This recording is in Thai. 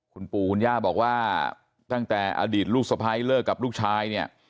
คุณปู่คุณย่าบอกว่าตั้งแต่อดีตลูกสะพ้ายเลิกกับลูกชายเนี่ย